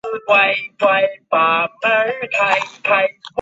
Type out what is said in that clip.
乙酰丙酮铜可由乙酰丙酮和氢氧化铜反应得到。